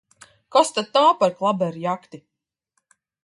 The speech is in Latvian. Kas tad tā par klaberjakti!